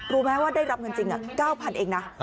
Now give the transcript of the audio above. รู้ไหมว่าได้รับเงินจริง๙๐๐เองนะ